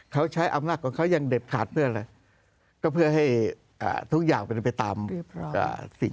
เขาใช้อำนักกว่ายังเด็ดขาดเพื่ออะไร